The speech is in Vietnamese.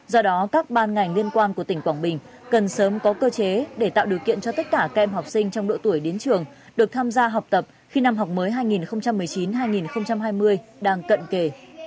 do đó các ban ngành liên quan của tỉnh quảng bình cần sớm có cơ chế để tạo điều kiện cho tất cả các em học sinh trong độ tuổi đến trường được tham gia học tập khi năm học mới hai nghìn một mươi chín hai nghìn hai mươi đang cận kề